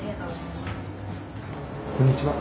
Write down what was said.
こんにちは。